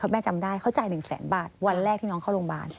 แม่จำได้เขาจ่าย๑แสนบาทวันแรกที่น้องเข้าโรงพยาบาล